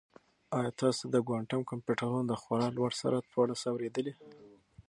آیا تاسو د کوانټم کمپیوټرونو د خورا لوړ سرعت په اړه څه اورېدلي؟